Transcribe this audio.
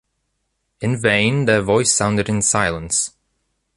In vain their voice sounded in silence.